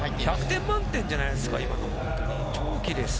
１００点満点じゃないですか？